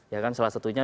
ya kan salah satunya